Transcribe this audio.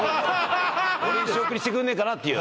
俺に仕送りしてくんねえかなっていう